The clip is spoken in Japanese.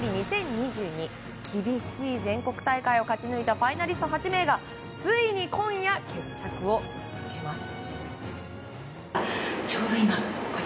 厳しい全国大会を勝ち抜いたファイナリスト８名がついに今夜決着をつけます。